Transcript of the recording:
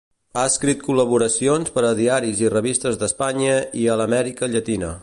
Ha escrit col·laboracions per a diaris i revistes d'Espanya i a l'Amèrica Llatina.